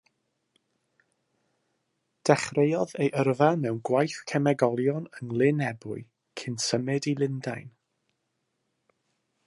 Dechreuodd ei yrfa mewn gwaith cemegolion yng Nglyn Ebwy, cyn symud i Lundain.